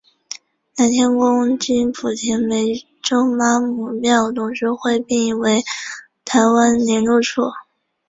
南天宫经莆田湄洲妈祖庙董事会聘为台湾连络处。